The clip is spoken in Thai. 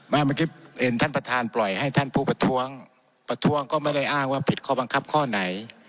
เมื่อกี้เห็นท่านประธานปล่อยให้ท่านผู้ประท้วงประท้วงก็ไม่ได้อ้างว่าผิดข้อบังคับข้อไหน